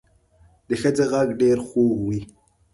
د ښځې غږ ډېر خوږ وي